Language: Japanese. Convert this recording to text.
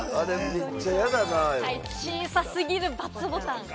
小さすぎる×ボタン。